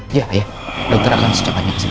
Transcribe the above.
iya ya dokter akan sejak banyak sih